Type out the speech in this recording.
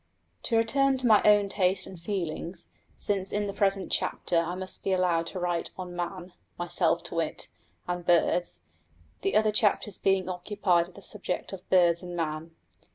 To return to my own taste and feelings, since in the present chapter I must be allowed to write on Man (myself to wit) and Birds, the other chapters being occupied with the subject of Birds and Man.